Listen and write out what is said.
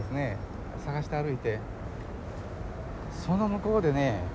探して歩いてその向こうでね